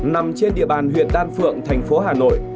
nằm trên địa bàn huyện đan phượng thành phố hà nội